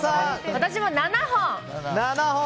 私は７本！